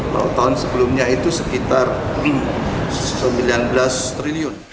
kalau tahun sebelumnya itu sekitar rp sembilan belas triliun